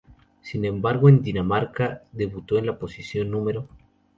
Sin embargo en Dinamarca debutó en la posición No.